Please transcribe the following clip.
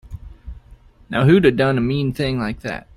Now who'da done a mean thing like that?